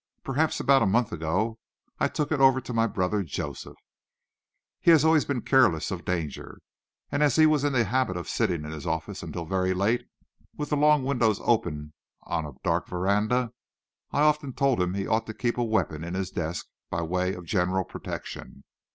Perhaps about a month ago, I took it over to my brother Joseph. He has always been careless of danger, and as he was in the habit of sitting in his office until very late, with the long windows open on a dark veranda, I often told him he ought to keep a weapon in his desk, by way of general protection.